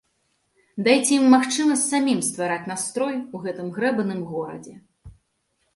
Дайце ім магчымасць самім ствараць настрой у гэтым грэбаным горадзе.